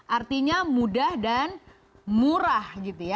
artinya mudah dan murah